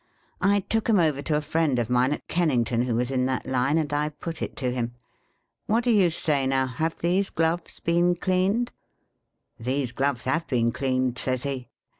I took 'em over to a friend of mine at Kennington, who was in that line, and I put it to him. ' What do you say now ? Have these gloves been cleaned 1 '' These gloves have been cleaned,' says he.